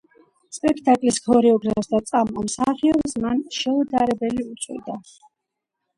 სპექტაკლის ქორეოგრაფს და წამყვან მსახიობს, მან „შეუდარებელი“ უწოდა.